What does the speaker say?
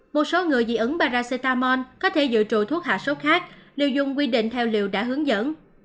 một số người dị ứng paracetamol có thể dự trụ thuốc hạ sốt khác đều dùng quy định theo liều đã hướng dẫn